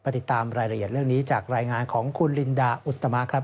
ติดตามรายละเอียดเรื่องนี้จากรายงานของคุณลินดาอุตมะครับ